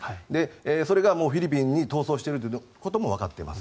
それがもう、フィリピンに逃走しているということもわかっています。